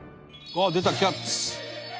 「出た『キャッツ』」